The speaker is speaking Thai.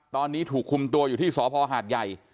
ตอนนี้ถูกคุมตัวอยู่ที่สพหาดใหญ่